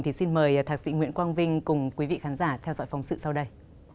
thì xin mời thạc sĩ nguyễn quang vinh cùng quý vị khán giả theo dõi phóng sự sau đây